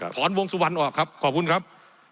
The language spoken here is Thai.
ถอนวงสุวรรณออกครับขอบคุณครับ